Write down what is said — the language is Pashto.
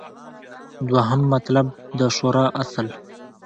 دوهم مطلب : د شورا اصل